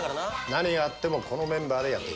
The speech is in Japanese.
「何があってもこのメンバーでやっていく」